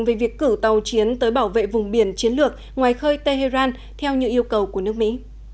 về việc cử tàu chiến tới bảo vệ vùng biển chiến lược ngoài khơi tehran theo những yêu cầu của nước mỹ